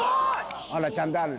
ほら、ちゃんとある。